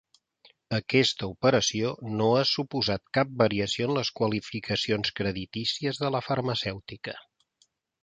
Aquesta operació no ha suposat cap variació en les qualificacions creditícies de la farmacèutica.